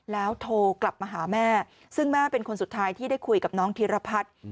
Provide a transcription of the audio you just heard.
แล้วโทรกลับมาหาแม่ซึ่งแม่เป็นคนสุดท้ายที่ได้คุยกับน้องธิรพัฒน์